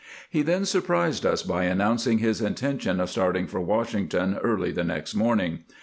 He then surprised us by announcing his intention of starting for "Washington early the next morning.